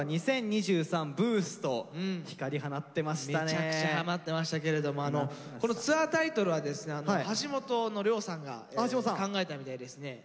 めちゃくちゃ放ってましたけれどもこのツアータイトルはですね橋本の涼さんが考えたみたいですね。